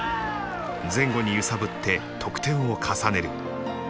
前後に揺さぶって得点を重ねる。